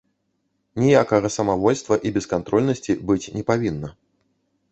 Ніякага самавольства і бескантрольнасці быць не павінна.